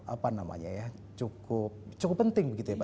apa namanya ya cukup penting begitu ya pak